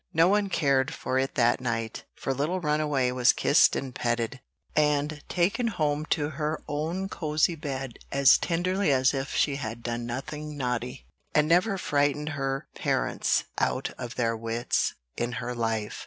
No one cared for it that night; for little runaway was kissed and petted, and taken home to her own cosey bed as tenderly as if she had done nothing naughty, and never frightened her parents out of their wits in her life.